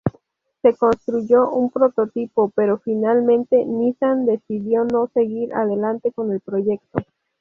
Se construyó un prototipo, pero finalmente Nissan decidió no seguir adelante con el proyecto.